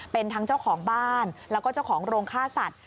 เป็นทั้งเจ้าของบ้านแล้วก็เจ้าของโรงฆ่าสัตว